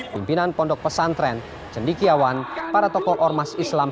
pimpinan pondok pesantren cendikiawan para tokoh ormas islam